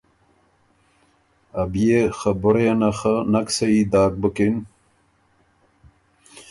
ائ بيې خبُرئ یه نه خه نک سهي داک بُکِن